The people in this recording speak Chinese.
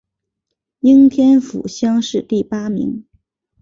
应天府乡试第八名。